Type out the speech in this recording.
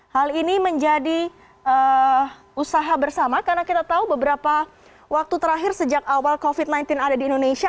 hal ini menjadi usaha bersama karena kita tahu beberapa waktu terakhir sejak awal covid sembilan belas ada di indonesia